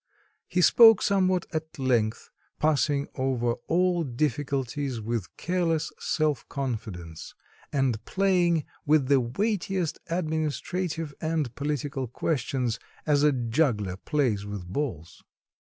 He spoke somewhat at length, passing over all difficulties with careless self confidence, and playing with the weightiest administrative and political questions, as a juggler plays with balls.